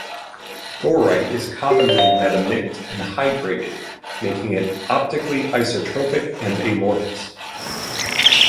Thorite is commonly metamict and hydrated, making it optically isotropic and amorphous.